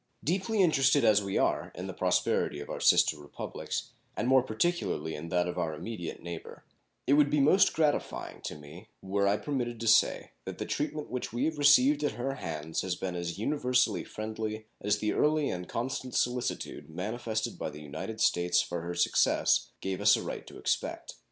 Deeply interested as we are in the prosperity of our sister Republics, and more particularly in that of our immediate neighbor, it would be most gratifying to me were I permitted to say that the treatment which we have received at her hands has been as universally friendly as the early and constant solicitude manifested by the United States for her success gave us a right to expect.